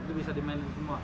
itu bisa dimainin semua